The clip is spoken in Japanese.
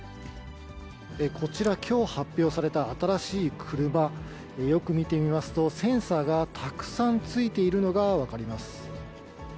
こちら、きょう発表された新しい車、よく見てみますと、センサーがたくさん付いているのが分かります。